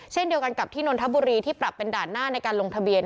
เช่นเดียวกันกับที่นนทบุรีที่ปรับเป็นด่านหน้าในการลงทะเบียน